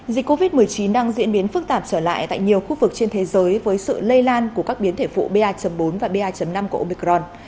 dịch covid một mươi chín đang diễn biến phức tạp trở lại tại nhiều khu vực trên thế giới với sự lây lan của các biến thể phụ ba bốn và ba năm của omicron